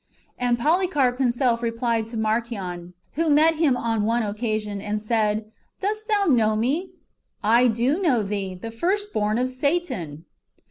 And Polycarp himself replied to Marcion, who met him on one occasion, and said, " Dost thou know me ?" "I do know thee, the first born of Satan."